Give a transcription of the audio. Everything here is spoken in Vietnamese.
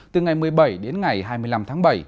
từ ngày một mươi bảy đến ngày hai mươi năm tháng bảy